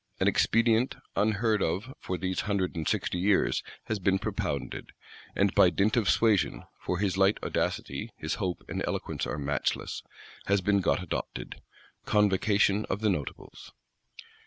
An expedient, unheard of for these hundred and sixty years, has been propounded; and, by dint of suasion (for his light audacity, his hope and eloquence are matchless) has been got adopted,—_Convocation of the Notables.